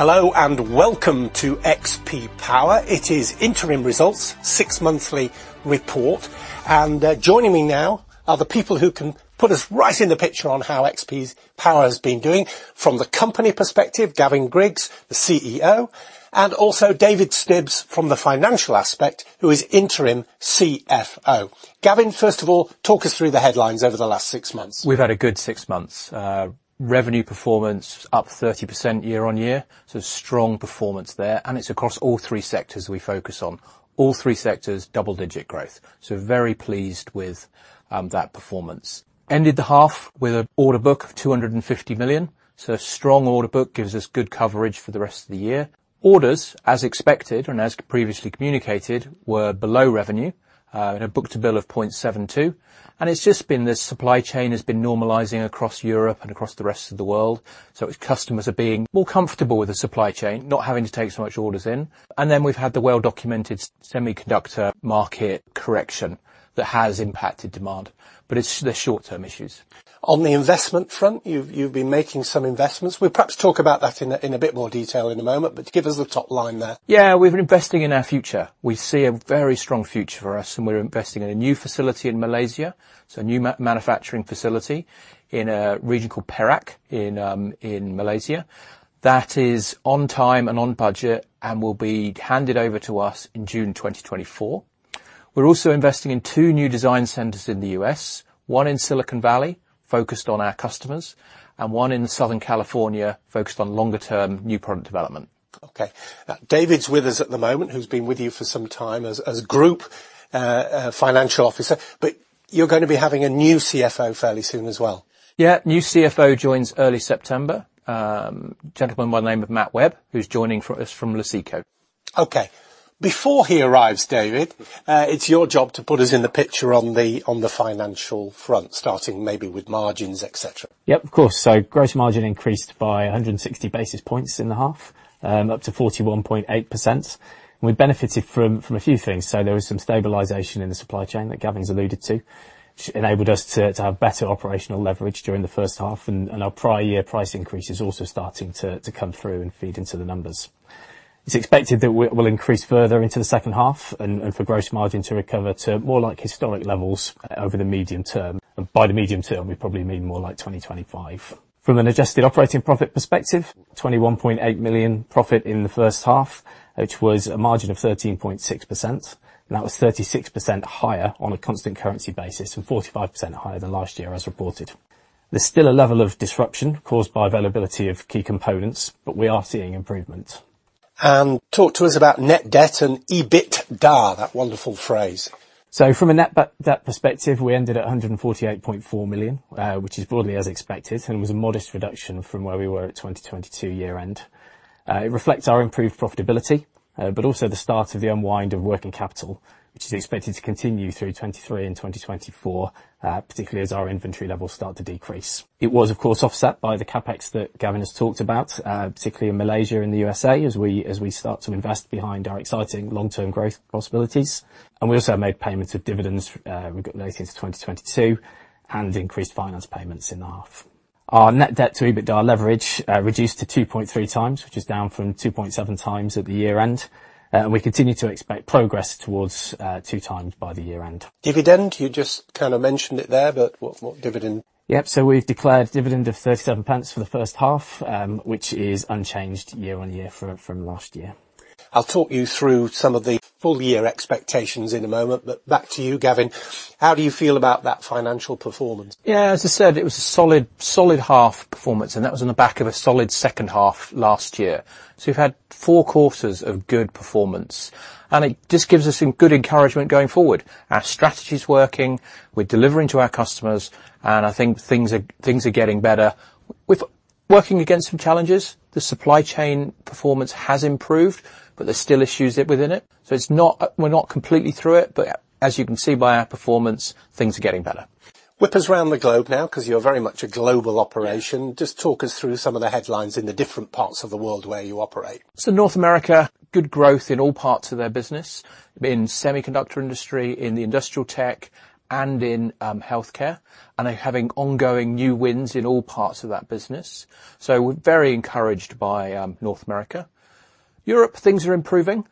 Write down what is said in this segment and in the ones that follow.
Hello, and welcome to XP Power. It is interim results, six-monthly report. Joining me now are the people who can put us right in the picture on how XP Power has been doing. From the company perspective, Gavin Griggs, the CEO, and also David Stibbs from the financial aspect, who is interim CFO. Gavin, first of all, talk us through the headlines over the last six months. We've had a good six months. Revenue performance up 30% year-on-year, so strong performance there, and it's across all three sectors we focus on. All three sectors, double-digit growth, so very pleased with that performance. Ended the half with an order book of 250 million, so strong order book gives us good coverage for the rest of the year. Orders, as expected and as previously communicated, were below revenue, and a book-to-bill of 0.72, and it's just been this supply chain has been normalizing across Europe and across the rest of the world, so its customers are being more comfortable with the supply chain, not having to take so much orders in, and then we've had the well-documented semiconductor market correction that has impacted demand, but it's the short-term issues. On the investment front, you've, you've been making some investments. We'll perhaps talk about that in a, in a bit more detail in a moment, but give us the top line there. Yeah, we've been investing in our future. We see a very strong future for us, and we're investing in a new facility in Malaysia, so a new manufacturing facility in a region called Perak in Malaysia. That is on time and on budget and will be handed over to us in June 2024. We're also investing in two new design centers in the U.S., one in Silicon Valley, focused on our customers, and one in Southern California, focused on longer term new product development. Okay. Now, David's with us at the moment, who's been with you for some time as, as group financial officer, but you're going to be having a new CFO fairly soon as well. Yeah, new CFO joins early September, gentleman by the name of Matt Webb, who's joining us from Luceco. Okay. Before he arrives, David, it's your job to put us in the picture on the financial front, starting maybe with margins, et cetera. Yep, of course. Gross margin increased by 160 basis points in the half, up to 41.8%. We benefited from, from a few things, so there was some stabilization in the supply chain that Gavin's alluded to, which enabled us to, to have better operational leverage during the first half, and, and our prior year price increase is also starting to, to come through and feed into the numbers. It's expected that we'll increase further into the second half and, and for gross margin to recover to more like historic levels over the medium term, and by the medium term, we probably mean more like 2025. From an adjusted operating profit perspective, $21.8 million profit in the first half, which was a margin of 13.6%. That was 36% higher on a constant currency basis and 45% higher than last year as reported. There's still a level of disruption caused by availability of key components, but we are seeing improvement. Talk to us about net debt and EBITDA, that wonderful phrase. From a net debt perspective, we ended at 148.4 million, which is broadly as expected, and was a modest reduction from where we were at 2022 year end. It reflects our improved profitability, but also the start of the unwind of working capital, which is expected to continue through 2023 and 2024, particularly as our inventory levels start to decrease. It was, of course, offset by the CapEx that Gavin has talked about, particularly in Malaysia and the USA, as we start to invest behind our exciting long-term growth possibilities, and we also made payments of dividends related to 2022, and increased finance payments in half. Our net debt to EBITDA leverage, reduced to 2.3x, which is down from 2.7x at the year end. We continue to expect progress towards, 2x by the year end. Dividend, you just kind of mentioned it there, but what, what dividend? Yep, we've declared dividend of 0.37 pounds for the first half, which is unchanged year-on-year from, from last year. I'll talk you through some of the full year expectations in a moment. Back to you, Gavin. How do you feel about that financial performance? As I said, it was a solid, solid half performance, and that was on the back of a solid second half last year. We've had four quarters of good performance, it just gives us some good encouragement going forward. Our strategy's working, we're delivering to our customers, I think things are, things are getting better. We've working against some challenges, the supply chain performance has improved, there's still issues within it, so it's not, we're not completely through it, as you can see by our performance, things are getting better. Whip us around the globe now, 'cause you're very much a global operation. Yeah. Just talk us through some of the headlines in the different parts of the world where you operate. North America, good growth in all parts of their business, in semiconductor industry, in the industrial tech, and in healthcare, and they're having ongoing new wins in all parts of that business. We're very encouraged by North America. Europe, things are improving,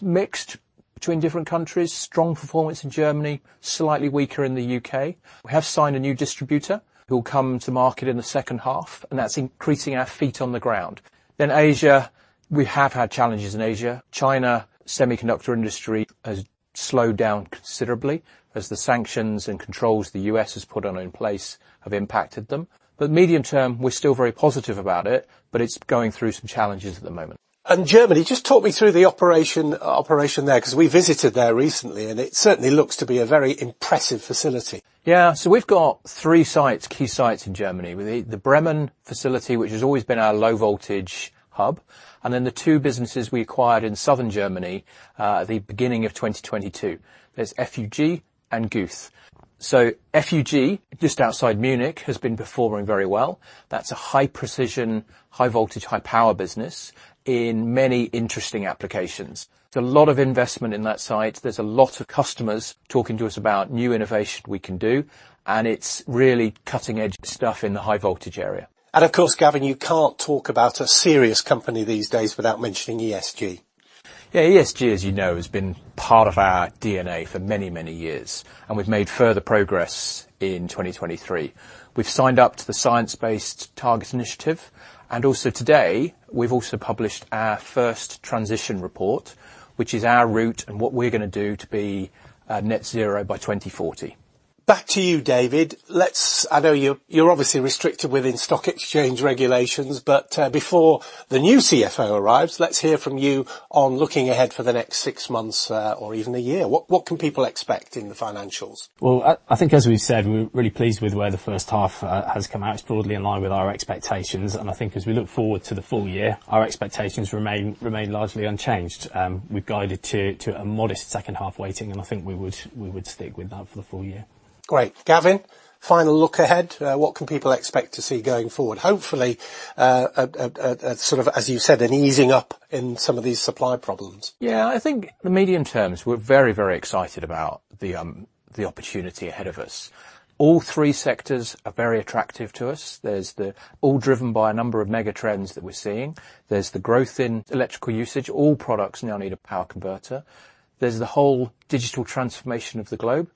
mixed between different countries. Strong performance in Germany, slightly weaker in the U.K. We have signed a new distributor who will come to market in the second half, and that's increasing our feet on the ground. Asia, we have had challenges in Asia. China semiconductor industry has slowed down considerably as the sanctions and controls the U.S. has put on, in place have impacted them. Medium term, we're still very positive about it, but it's going through some challenges at the moment. Germany, just talk me through the operation, operation there, 'cause we visited there recently, and it certainly looks to be a very impressive facility? Yeah. We've got three sites, key sites in Germany. We, the Bremen facility, which has always been our low voltage hub, and then the two businesses we acquired in southern Germany, at the beginning of 2022. There's FUG and Guth. FUG, just outside Munich, has been performing very well. That's a high precision, high voltage, high power business in many interesting applications. There's a lot of investment in that site. There's a lot of customers talking to us about new innovation we can do, and it's really cutting-edge stuff in the high voltage area. Of course, Gavin, you can't talk about a serious company these days without mentioning ESG. Yeah, ESG, as you know, has been part of our DNA for many, many years, and we've made further progress in 2023. We've signed up to the Science-Based Targets initiative, and also today, we've also published our first transition plan, which is our route and what we're gonna do to be Net Zero by 2040. ... Back to you, David. Let's, I know you're, you're obviously restricted within stock exchange regulations, but, before the new CFO arrives, let's hear from you on looking ahead for the next six months, or even a year. What can people expect in the financials? Well, I, I think, as we've said, we're really pleased with where the first half has come out. It's broadly in line with our expectations, I think as we look forward to the full year, our expectations remain, remain largely unchanged. We've guided to, to a modest second half waiting, I think we would, we would stick with that for the full year. Great! Gavin, final look ahead, what can people expect to see going forward? Hopefully, a sort of, as you said, an easing up in some of these supply problems. Yeah, I think the medium terms, we're very, very excited about the opportunity ahead of us. All three sectors are very attractive to us. There's the All driven by a number of mega trends that we're seeing. There's the growth in electrical usage. All products now need a power converter. There's the whole digital transformation of the globe,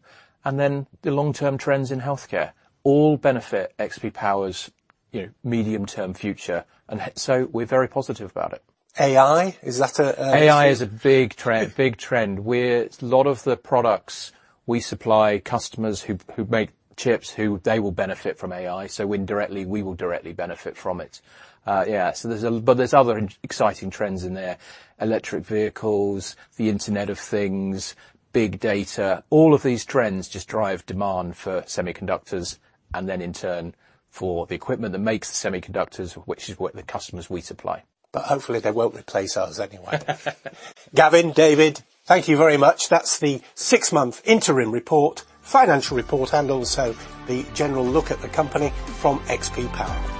and then the long-term trends in healthcare. All benefit XP Power's, you know, medium-term future, and so we're very positive about it. AI, is that a? AI is a big trend, big trend where a lot of the products we supply customers who've, who've made chips, who they will benefit from AI, so indirectly, we will directly benefit from it. Yeah, so there's a... There's other exciting trends in there: electric vehicles, the Internet of Things, big data. All of these trends just drive demand for semiconductors, and then, in turn, for the equipment that makes the semiconductors, which is what the customers we supply. Hopefully they won't replace us anyway. Gavin, David, thank you very much. That's the six-month interim report, financial report, and also the general look at the company from XP Power.